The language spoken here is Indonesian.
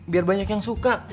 biar banyak yang suka